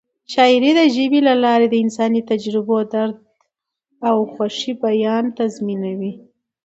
شاعري د ژبې له لارې د انساني تجربو، درد او خوښۍ بیان تضمینوي.